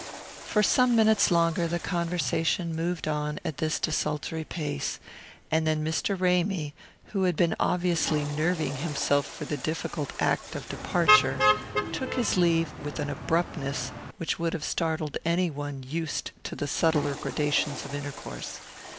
For some minutes longer the conversation moved on at this desultory pace, and then Mr. Ramy, who had been obviously nerving himself for the difficult act of departure, took his leave with an abruptness which would have startled anyone used to the subtler gradations of intercourse.